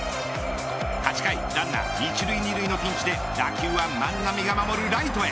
８回ランナー一塁二塁のピンチで打球は万波が守るライトへ。